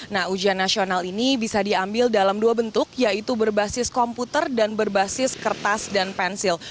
nah ujian nasional ini bisa diambil dalam dua bentuk yaitu berbasis komputer dan berbasis kertas dan pensil